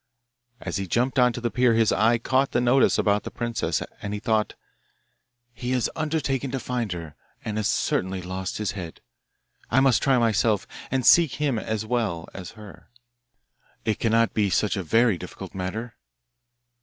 As he jumped on to the pier his eye caught the notice about the princess, and he thought, 'He has undertaken to find her, and has certainly lost his head. I must try myself, and seek him as well as her. It cannot be such a very difficult matter.